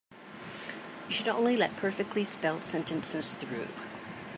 You should only let perfectly spelled sentences through.